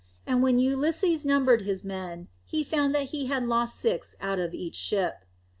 And when Ulysses numbered his men, he found that he had lost six out of each ship.